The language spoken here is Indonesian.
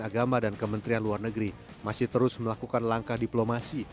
agama dan kementerian luar negeri masih terus melakukan langkah diplomasi